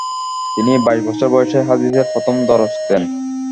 তিনি বাইশ বছর বয়সে হাদিসের প্রথম দরস দেন।